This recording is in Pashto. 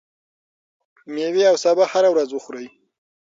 ميوې او سابه هره ورځ وخورئ.